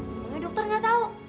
tapi dokter nggak tau